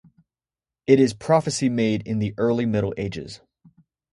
It is prophecy made in the Early Middle Ages.